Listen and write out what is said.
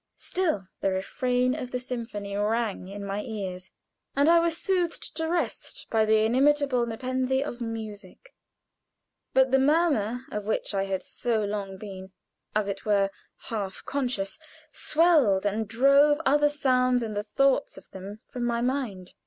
Still the refrain of the symphony rang in my ears, and I was soothed to rest by the inimitable nepenthe of music. But the murmur of which I had so long been, as it were, half conscious, swelled and drove other sounds and the thoughts of them from my mind.